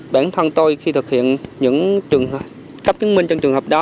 bản thân tôi khi thực hiện những trường hợp cấp chứng minh trong trường hợp đó